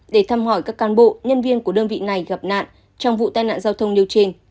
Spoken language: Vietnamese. để thăm hỏi các can bộ nhân viên của đơn vị này gặp nạn trong vụ tai nạn giao thông nêu trên